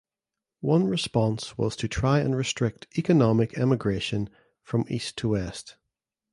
One response was to try and restrict economic emigration from east to west.